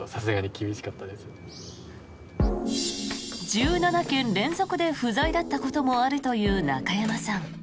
１７軒連続で不在だったこともあるという中山さん。